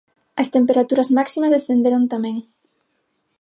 As temperaturas máximas descenderon tamén.